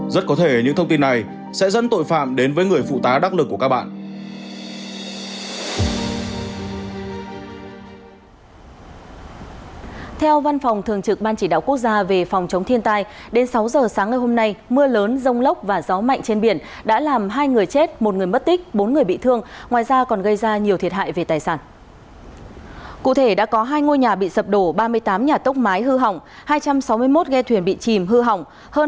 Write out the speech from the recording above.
rất có thể những thông tin này sẽ dẫn tội phạm đến với người phụ tá đắc lực của các bạn